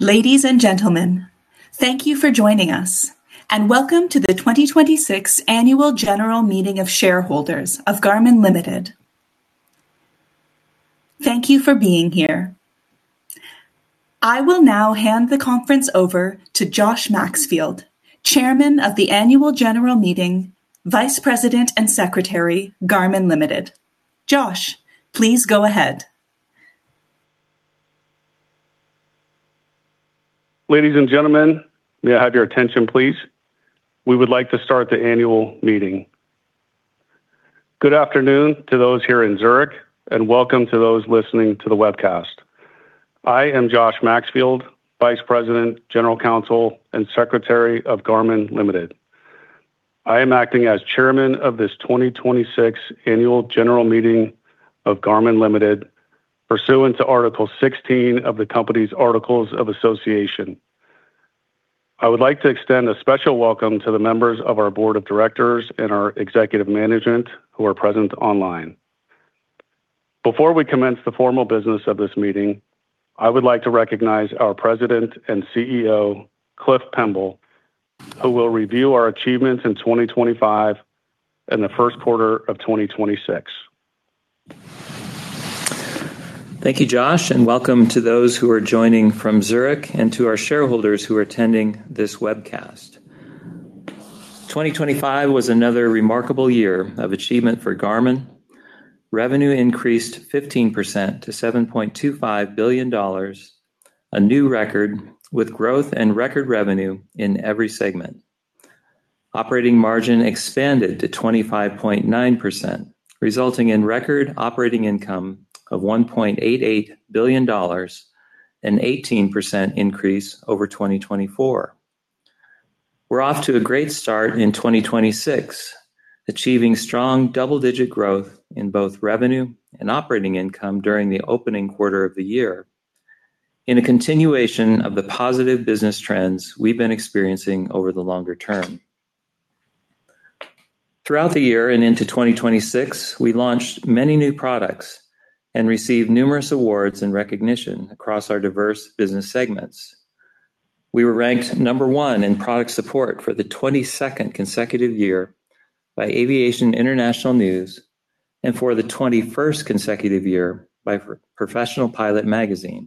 Ladies and gentlemen, thank you for joining us, and welcome to the 2026 Annual General Meeting of Shareholders of Garmin Ltd. Thank you for being here. I will now hand the conference over to Joshua Maxfield, Chairman of the Annual General Meeting, Vice President and Secretary, Garmin Ltd. Josh, please go ahead. Ladies and gentlemen, may I have your attention, please? We would like to start the annual meeting. Good afternoon to those here in Zurich, and welcome to those listening to the webcast. I am Joshua Maxfield, vice president, general counsel, and secretary of Garmin Ltd. I am acting as chairman of this 2026 annual general meeting of Garmin Ltd. pursuant to Article 16 of the company's articles of association. I would like to extend a special welcome to the members of our board of directors and our executive management who are present online. Before we commence the formal business of this meeting, I would like to recognize our president and CEO, Cliff Pemble, who will review our achievements in 2025 and the Q1 of 2026. Thank you, Josh, and welcome to those who are joining from Zurich, and to our shareholders who are attending this webcast. 2025 was another remarkable year of achievement for Garmin. Revenue increased 15% to $7.25 billion, a new record with growth and record revenue in every segment. Operating margin expanded to 25.9%, resulting in record operating income of $1.88 billion, an 18% increase over 2024. We're off to a great start in 2026, achieving strong double-digit growth in both revenue and operating income during the opening quarter of the year, in a continuation of the positive business trends we've been experiencing over the longer term. Throughout the year and into 2026, we launched many new products and received numerous awards and recognition across our diverse business segments. We were ranked number 1 in product support for the 22nd consecutive year by Aviation International News, and for the 21st consecutive year by Professional Pilot Magazine.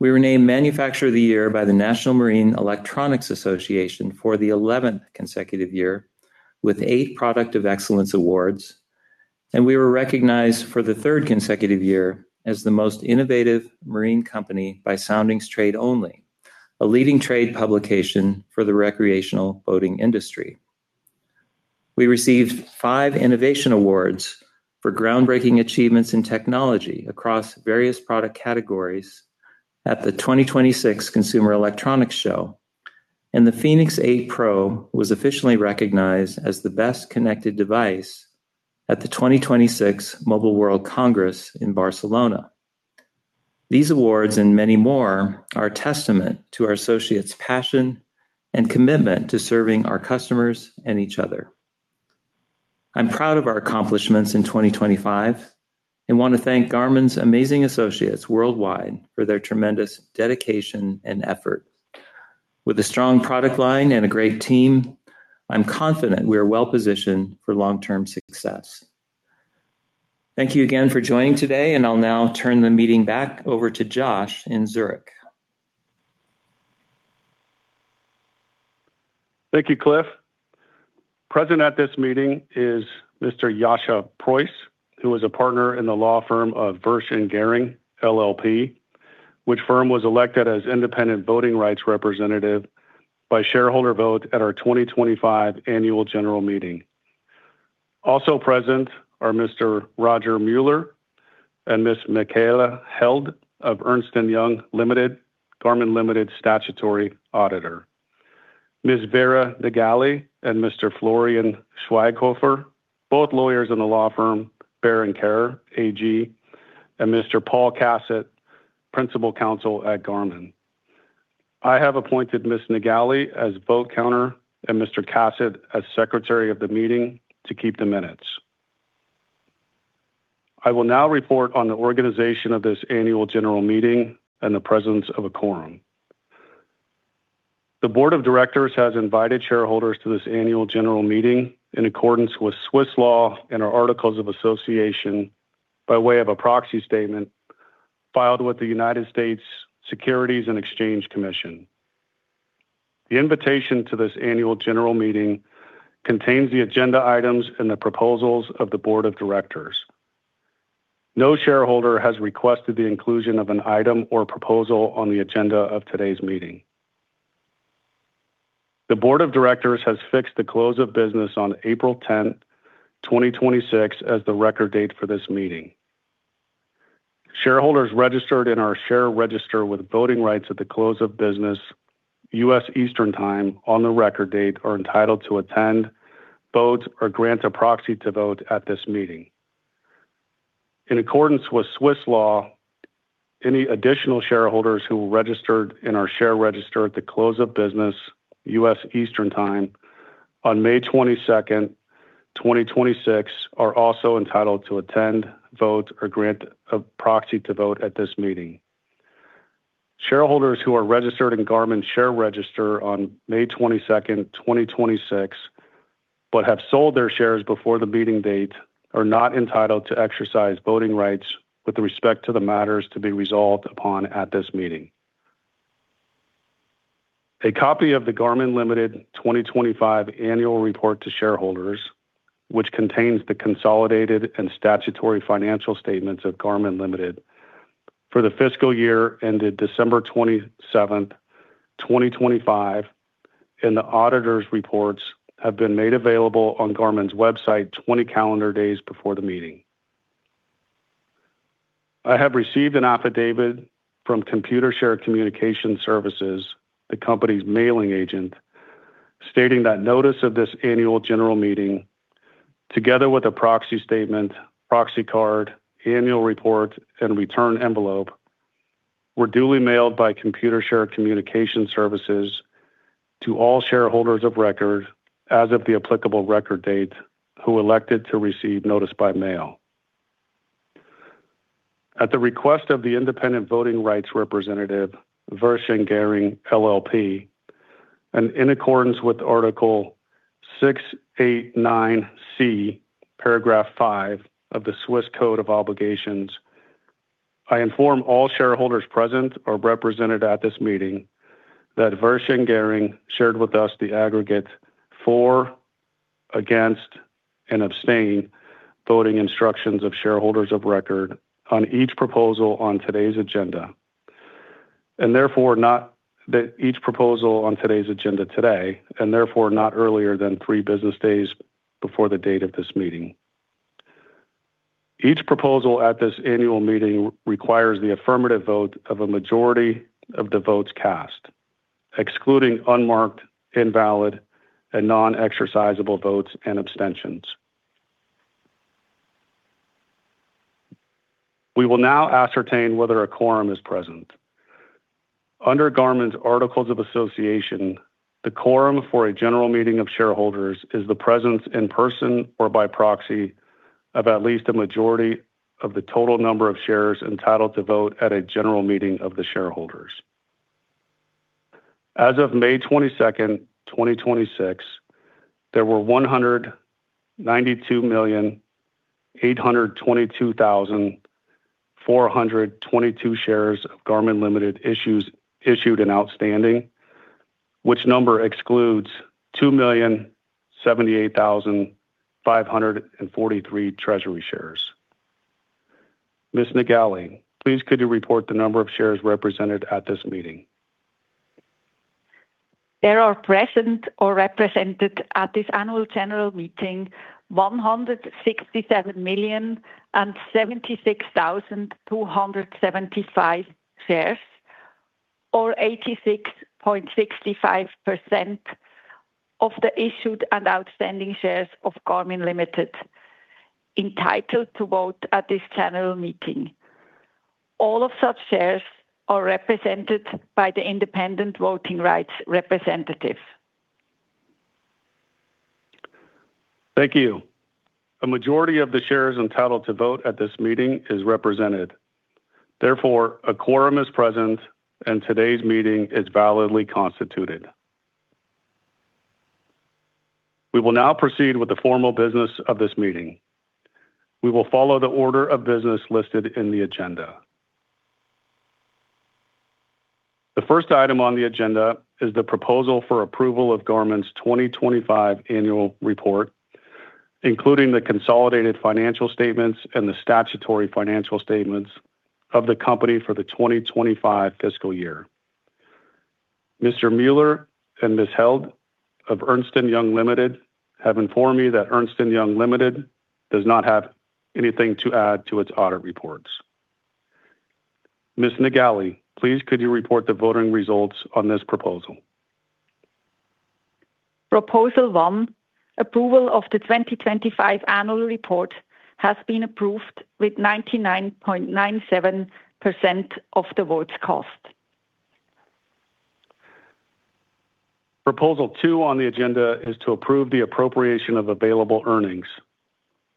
We were named Manufacturer of the Year by the National Marine Electronics Association for the 11th consecutive year, with eight Product of Excellence awards. We were recognized for the third consecutive year as the most innovative marine company by Soundings Trade Only, a leading trade publication for the recreational boating industry. We received five innovation awards for groundbreaking achievements in technology across various product categories at the 2026 Consumer Electronics Show, and the fēnix 8 Pro was officially recognized as the best connected device at the 2026 Mobile World Congress in Barcelona. These awards and many more are a testament to our associates' passion and commitment to serving our customers and each other. I'm proud of our accomplishments in 2025 and want to thank Garmin's amazing associates worldwide for their tremendous dedication and effort. With a strong product line and a great team, I'm confident we are well-positioned for long-term success. Thank you again for joining today. I'll now turn the meeting back over to Josh in Zurich. Thank you, Cliff. Present at this meeting is Mr. Jascha Preuss, who is a partner in the law firm of Wuersch & Gering LLP, which firm was elected as independent voting rights representative by shareholder vote at our 2025 annual general meeting. Also present are Mr. Roger Müller and Ms. Michaela Held of Ernst & Young Ltd, Garmin Ltd. statutory auditor. Ms. Vera Naegeli and Mr. Florian Schwaighofer, both lawyers in the law firm, Bär & Karrer AG, and Mr. Paul Cassat, principal counsel at Garmin. I have appointed Ms. Naegeli as vote counter and Mr. Cassat as secretary of the meeting to keep the minutes. I will now report on the organization of this annual general meeting and the presence of a quorum. The board of directors has invited shareholders to this annual general meeting in accordance with Swiss law and our articles of association by way of a proxy statement filed with the United States Securities and Exchange Commission. The invitation to this annual general meeting contains the agenda items and the proposals of the board of directors. No shareholder has requested the inclusion of an item or proposal on the agenda of today's meeting. The board of directors has fixed the close of business on April 10th, 2026, as the record date for this meeting. Shareholders registered in our share register with voting rights at the close of business, U.S. Eastern Time, on the record date are entitled to attend, vote, or grant a proxy to vote at this meeting. In accordance with Swiss law, any additional shareholders who registered in our share register at the close of business, U.S. Eastern Time on May 22, 2026 are also entitled to attend, vote, or grant a proxy to vote at this meeting. Shareholders who are registered in Garmin share register on May 22, 2026, but have sold their shares before the meeting date, are not entitled to exercise voting rights with respect to the matters to be resolved upon at this meeting. A copy of the Garmin Ltd. 2025 annual report to shareholders, which contains the consolidated and statutory financial statements of Garmin Ltd. for the fiscal year ended December 27, 2025, and the auditors' reports have been made available on Garmin's website 20 calendar days before the meeting. I have received an affidavit from Computershare Communication Services, the company's mailing agent, stating that notice of this annual general meeting, together with a proxy statement, proxy card, annual report, and return envelope, were duly mailed by Computershare Communication Services to all shareholders of record as of the applicable record date who elected to receive notice by mail. At the request of the independent voting rights representative, Wuersch & Gering LLP, and in accordance with Article 689c, Paragraph 5 of the Swiss Code of Obligations, I inform all shareholders present or represented at this meeting that Wuersch & Gering shared with us the aggregate for, against, and abstain voting instructions of shareholders of record on each proposal on today's agenda, and therefore not earlier than three business days before the date of this meeting. Each proposal at this annual meeting requires the affirmative vote of a majority of the votes cast, excluding unmarked, invalid, and non-exercisable votes and abstentions. We will now ascertain whether a quorum is present. Under Garmin's Articles of Association, the quorum for a general meeting of shareholders is the presence in person or by proxy of at least a majority of the total number of shares entitled to vote at a general meeting of the shareholders. As of May 22nd, 2026, there were 192,822,422 shares of Garmin Ltd. issued and outstanding, which number excludes 2,078,543 treasury shares. Ms. Naegeli, please could you report the number of shares represented at this meeting? There are present or represented at this annual general meeting, 167,076,275 shares, or 86.65% of the issued and outstanding shares of Garmin Ltd. entitled to vote at this general meeting. All of such shares are represented by the independent voting rights representative. Thank you. A majority of the shares entitled to vote at this meeting is represented. A quorum is present and today's meeting is validly constituted. We will now proceed with the formal business of this meeting. We will follow the order of business listed in the agenda. The first item on the agenda is the proposal for approval of Garmin's 2025 annual report, including the consolidated financial statements and the statutory financial statements of the company for the 2025 fiscal year. Mr. Müller and Ms. Held of Ernst & Young Limited have informed me that Ernst & Young Limited does not have anything to add to its audit reports. Ms. Naegeli, please could you report the voting results on this proposal? Proposal 1, approval of the 2025 annual report has been approved with 99.97% of the votes cast. Proposal 2 on the agenda is to approve the appropriation of available earnings.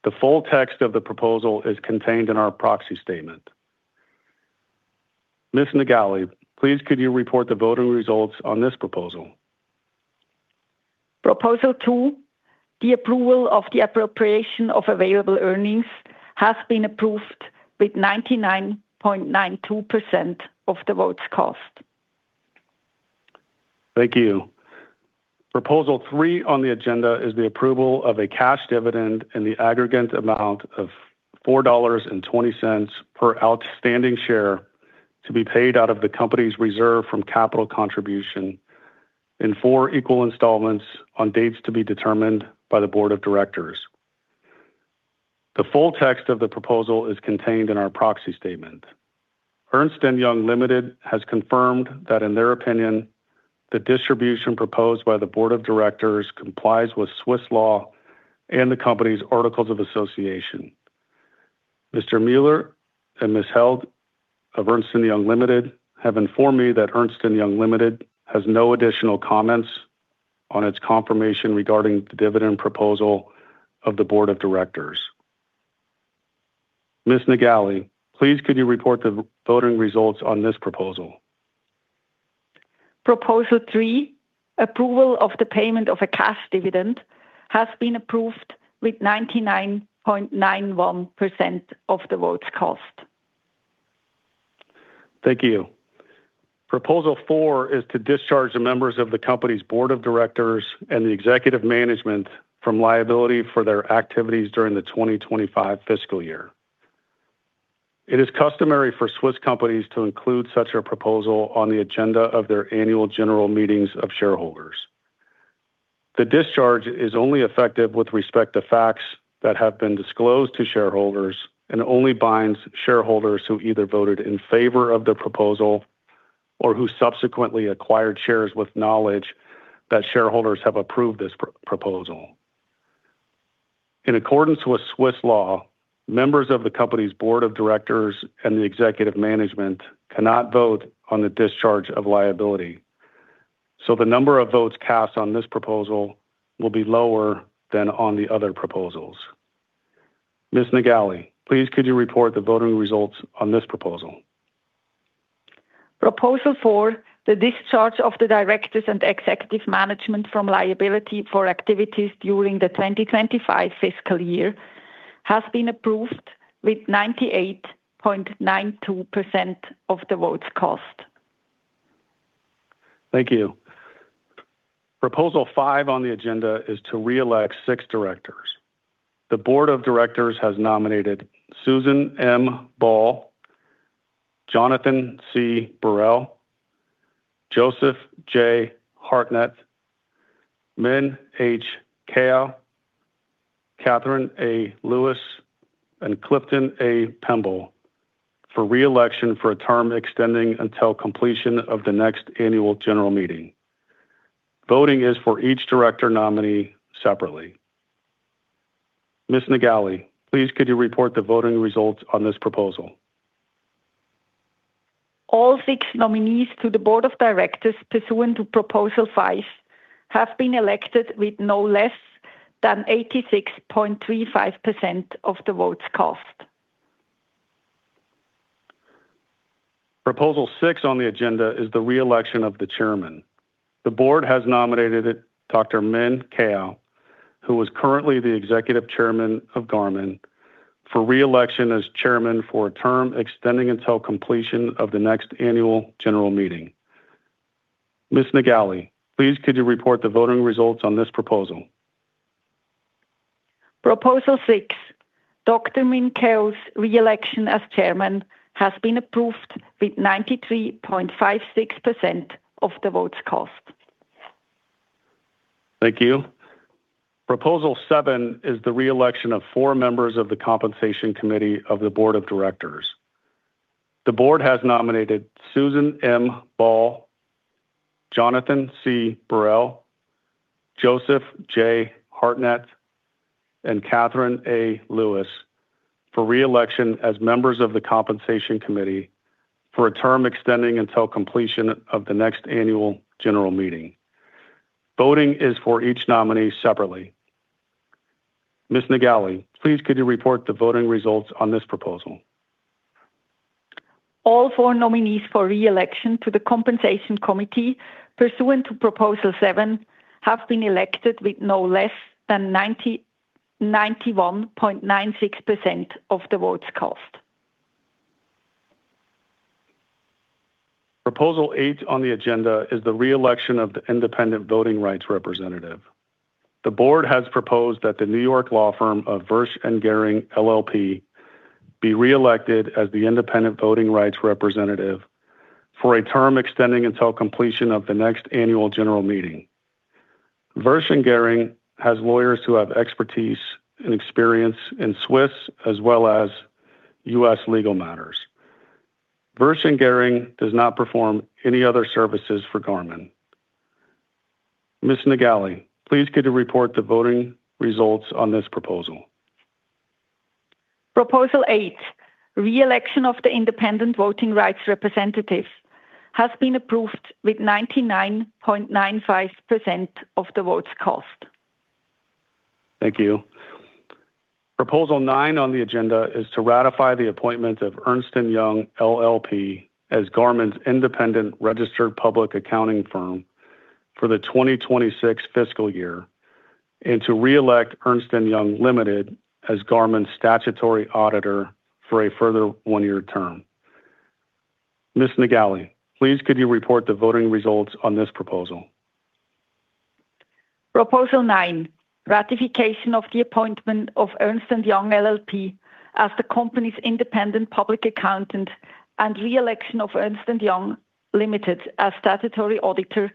The full text of the proposal is contained in our proxy statement. Ms. Naegeli, please could you report the voting results on this proposal? Proposal 2, the approval of the appropriation of available earnings has been approved with 99.92% of the votes cast. Thank you. Proposal 3 on the agenda is the approval of a cash dividend in the aggregate amount of $4.20 per outstanding share to be paid out of the company's reserve from capital contribution in four equal installments on dates to be determined by the Board of Directors. The full text of the proposal is contained in our proxy statement. Ernst & Young Ltd has confirmed that, in their opinion, the distribution proposed by the Board of Directors complies with Swiss law and the company's articles of association. Mr. Müller and Ms. Held of Ernst & Young Ltd have informed me that Ernst & Young Ltd has no additional comments on its confirmation regarding the dividend proposal of the Board of Directors. Ms. Naegeli, please could you report the voting results on this proposal? Proposal 3, approval of the payment of a cash dividend, has been approved with 99.91% of the votes cast. Thank you. Proposal 4 is to discharge the members of the company's board of directors and the executive management from liability for their activities during the 2025 fiscal year. It is customary for Swiss companies to include such a proposal on the agenda of their annual general meetings of shareholders. The discharge is only effective with respect to facts that have been disclosed to shareholders, and only binds shareholders who either voted in favor of the proposal or who subsequently acquired shares with knowledge that shareholders have approved this proposal. In accordance with Swiss law, members of the company's board of directors and the executive management cannot vote on the discharge of liability. The number of votes cast on this proposal will be lower than on the other proposals. Ms. Naegeli, please could you report the voting results on this proposal? Proposal 4, the discharge of the directors and executive management from liability for activities during the 2025 fiscal year, has been approved with 98.92% of the votes cast. Thank you. Proposal 5 on the agenda is to reelect six directors. The board of directors has nominated Susan M. Ball, Jonathan C. Burrell, Joseph J. Hartnett, Min H. Kao, Catherine A. Lewis, and Clifton A. Pemble for re-election for a term extending until completion of the next annual general meeting. Voting is for each director nominee separately. Ms. Naegeli, please could you report the voting results on this proposal? All six nominees to the board of directors pursuant to proposal five have been elected with no less than 86.35% of the votes cast. Proposal six on the agenda is the re-election of the chairman. The board has nominated Dr. Min Kao, who is currently the Executive Chairman of Garmin, for re-election as chairman for a term extending until completion of the next annual general meeting. Ms. Naegeli, please could you report the voting results on this proposal? Proposal 6, Dr. Min Kao's re-election as Chairman, has been approved with 93.56% of the votes cast. Thank you. Proposal 7 is the re-election of four members of the compensation committee of the board of directors. The board has nominated Susan M. Ball, Jonathan C. Burrell, Joseph J. Hartnett, and Catherine A. Lewis for re-election as members of the compensation committee for a term extending until completion of the next annual general meeting. Voting is for each nominee separately. Ms. Naegeli, please could you report the voting results on this proposal? All four nominees for re-election to the compensation committee pursuant to proposal 7 have been elected with no less than 91.96% of the votes cast. Proposal 8, on the agenda is the re-election of the independent voting rights representative. The board has proposed that the New York law firm of Wuersch & Gering LLP be re-elected as the independent voting rights representative for a term extending until completion of the next annual general meeting. Wuersch & Gering has lawyers who have expertise and experience in Swiss as well as U.S. legal matters. Wuersch & Gering does not perform any other services for Garmin. Ms. Naegeli, please could you report the voting results on this proposal? Proposal 8, re-election of the independent voting rights representative, has been approved with 99.95% of the votes cast. Thank you. Proposal 9 on the agenda is to ratify the appointment of Ernst & Young LLP as Garmin's independent registered public accounting firm for the 2026 fiscal year, and to reelect Ernst & Young Limited as Garmin's statutory auditor for a further one-year term. Ms. Naegeli, please could you report the voting results on this proposal? Proposal 9, ratification of the appointment of Ernst & Young LLP as the company's independent public accountant and re-election of Ernst & Young Ltd as statutory auditor,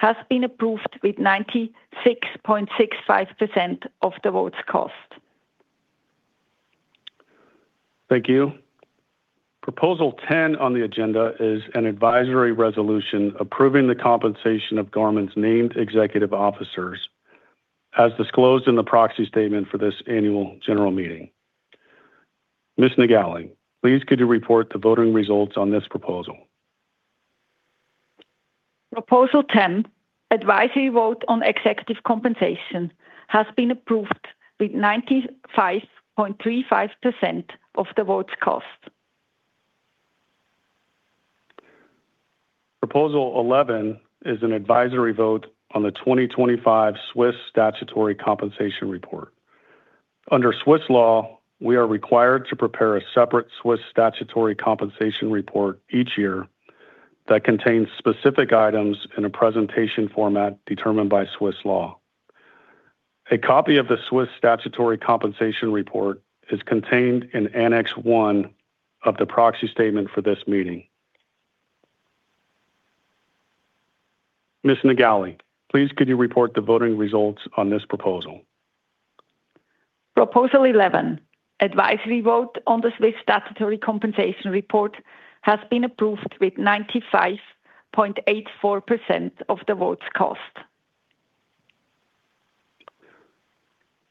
has been approved with 96.65% of the votes cast. Thank you. Proposal 10 on the agenda is an advisory resolution approving the compensation of Garmin's named executive officers as disclosed in the proxy statement for this annual general meeting. Ms. Naegeli, please could you report the voting results on this proposal? Proposal 10, advisory vote on executive compensation, has been approved with 95.35% of the votes cast. Proposal 11 is an advisory vote on the 2025 Swiss Statutory Compensation Report. Under Swiss law, we are required to prepare a separate Swiss Statutory Compensation Report each year that contains specific items in a presentation format determined by Swiss law. A copy of the Swiss Statutory Compensation Report is contained in Annex One of the proxy statement for this meeting. Ms. Naegeli, please could you report the voting results on this proposal? Proposal 11, advisory vote on the Swiss Statutory Compensation Report, has been approved with 95.84% of the votes cast.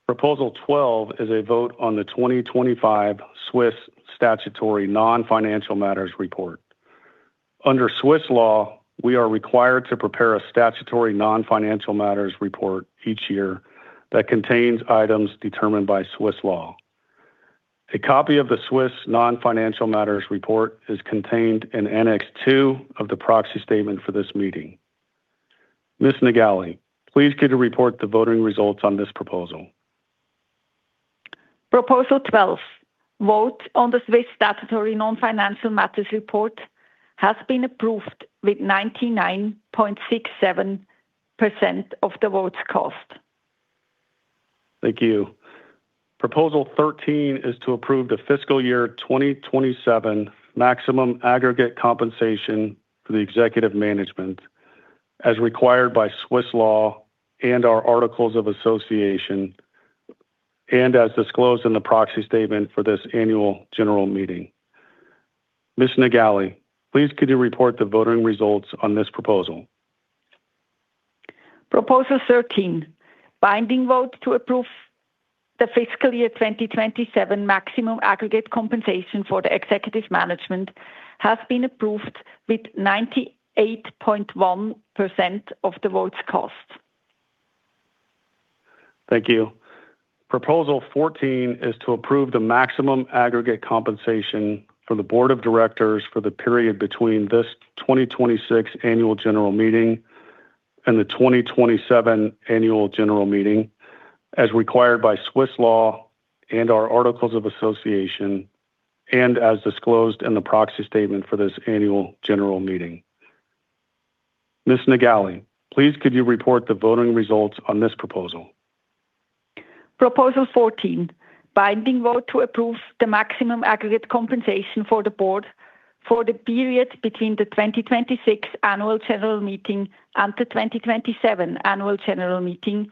Proposal 12 is a vote on the 2025 Swiss Statutory Non-Financial Matters Report. Under Swiss law, we are required to prepare a statutory non-financial matters report each year that contains items determined by Swiss law. A copy of the Swiss Non-Financial Matters Report is contained in Annex 2 of the proxy statement for this meeting. Ms. Naegeli, please could you report the voting results on this proposal? Proposal 12, vote on the Swiss Statutory Non-Financial Matters Report, has been approved with 99.67% of the votes cast. Thank you. Proposal 13 is to approve the fiscal year 2027 maximum aggregate compensation for the executive management as required by Swiss law and our articles of association, and as disclosed in the proxy statement for this annual general meeting. Ms. Naegeli, please could you report the voting results on this proposal? Proposal 13, binding vote to approve the fiscal year 2027 maximum aggregate compensation for the executive management, has been approved with 98.1% of the votes cast. Thank you. Proposal 14 is to approve the maximum aggregate compensation for the board of directors for the period between this 2026 annual general meeting and the 2027 annual general meeting as required by Swiss law and our articles of association, and as disclosed in the proxy statement for this annual general meeting. Ms. Naegeli, please could you report the voting results on this proposal? Proposal 14, binding vote to approve the maximum aggregate compensation for the board for the period between the 2026 annual general meeting and the 2027 annual general meeting,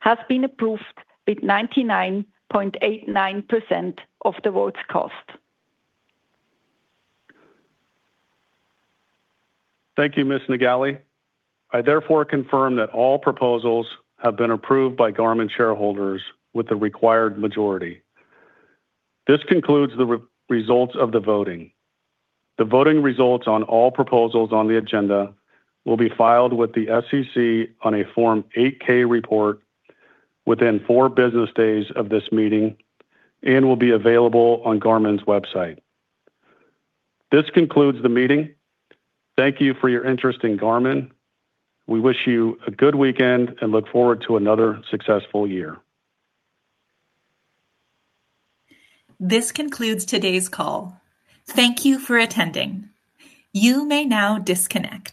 has been approved with 99.89% of the votes cast. Thank you, Ms. Naegeli. I therefore confirm that all proposals have been approved by Garmin shareholders with the required majority. This concludes the results of the voting. The voting results on all proposals on the agenda will be filed with the SEC on a Form 8-K report within four business days of this meeting and will be available on Garmin's website. This concludes the meeting. Thank you for your interest in Garmin. We wish you a good weekend and look forward to another successful year. This concludes today's call. Thank you for attending. You may now disconnect.